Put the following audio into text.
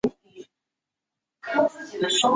他现在生活在当时临时政府安排的龙树宫。